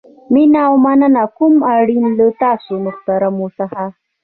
مینه او مننه کوم آرین له تاسو محترمو څخه.